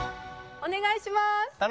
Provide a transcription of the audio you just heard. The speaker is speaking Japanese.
お願いします！